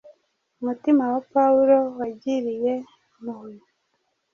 Umutima wa Pawulo wagiriye impuhwe